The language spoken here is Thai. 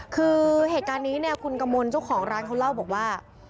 คือเหตุการณ์นี้เนี่ยคุณกมลเจ้าของร้านเขาเล่าบอกว่า